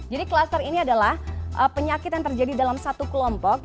jadi cluster ini adalah penyakit yang terjadi dalam satu kelompok